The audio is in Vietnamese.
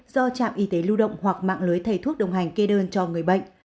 do trạm y tế lưu động hoặc mạng lưới thầy thuốc đồng hành kê đơn cho người bệnh